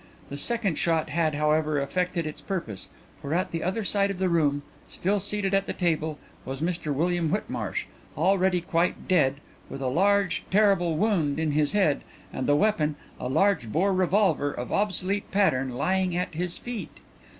The second shot had, however, effected its purpose, for at the other side of the room, still seated at the table, was Mr William Whitmarsh, already quite dead, with a terrible wound in his head and the weapon, a large bore revolver of obsolete pattern, lying at his feet.